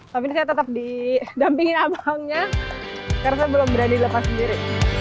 tapi ini saya tetap didampingin abangnya karena saya belum berani lepas sendiri